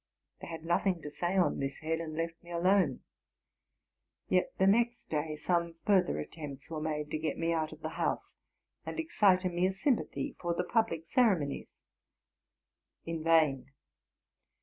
They had nothing to say on this head, and left me alone. Yet the next day some further attempts were made to get me out of the house, and excite in me a sympathy for the public ceremonies. In vain!